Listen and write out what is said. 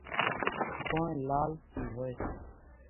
ڪونئين لالچي هوئيَ سي۔